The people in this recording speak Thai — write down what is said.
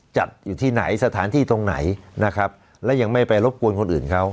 จัดอยู่ที่ไหนสถานที่ตรงไหนนะครับและยังไม่ไปรบกวนคนอื่นเขา